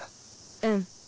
うん。